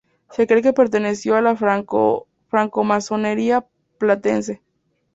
Se cree que perteneció a la Francmasonería platense.